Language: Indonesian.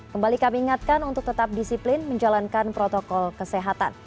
kembali kami ingatkan untuk tetap disiplin menjalankan protokol kesehatan